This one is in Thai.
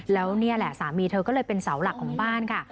แล้วนี่แหละสามีเธอก็เลยเป็นเสาหลักของบ้านค่ะ